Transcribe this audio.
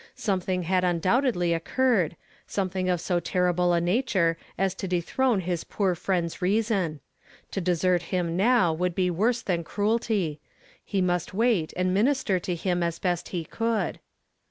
Something had undoubt edly oecuriid, something of so terrible a natare as to dethrone his poor friend's reason. To desert him now would be worse than cruelty; he must wait, and minister to him as best he could.